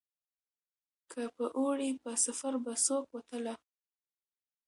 که په اوړي په سفر به څوک وتله